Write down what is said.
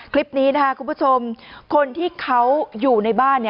คลิปนี้นะคะคุณผู้ชมคนที่เขาอยู่ในบ้าน